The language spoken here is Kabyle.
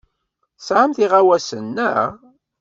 Tesɛamt iɣawasen, naɣ?